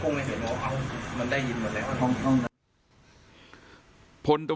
อันนั้นมันได้ยินหมดแล้ว